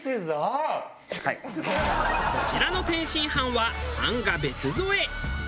こちらの天津飯は餡が別添え。